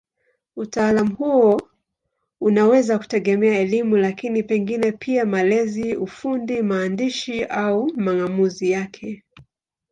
Utaalamu huo unaweza kutegemea elimu, lakini pengine pia malezi, ufundi, maandishi au mang'amuzi yake.